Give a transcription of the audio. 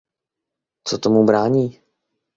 Co tomu brání?